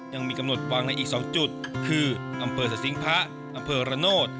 ยังมีกำหนดวางในอีก๒จุดคืออำเภอสสิงพระอำเภอระโนธ